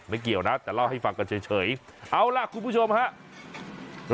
เกี่ยวนะแต่เล่าให้ฟังกันเฉยเอาล่ะคุณผู้ชมครับ